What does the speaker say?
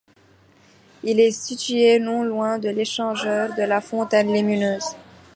Il est situé non loin de l'échangeur de la Fontaine Lumineuse.